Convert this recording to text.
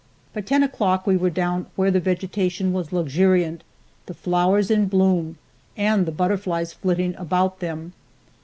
By ten o'clock we were down where the vegetation was luxuriant, the flowers in bloom and the butterflies flitting about them.